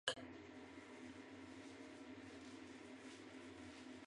要尊重彼此对发展道路和社会制度的选择